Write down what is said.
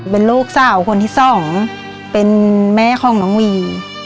เป็นลูกสาวคนที่สองเป็นแม่ของน้องวี